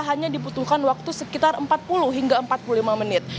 hanya dibutuhkan waktu sekitar empat puluh hingga empat puluh lima menit